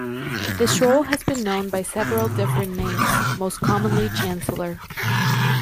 This role has been known by several different names, most commonly Chancellor.